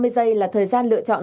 ba mươi giây là thời gian lựa chọn